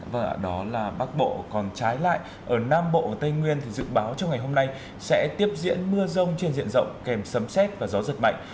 vâng ạ đó là bắc bộ còn trái lại ở nam bộ tây nguyên thì dự báo trong ngày hôm nay sẽ tiếp diễn mưa rông trên diện rộng kèm sấm xét và gió giật mạnh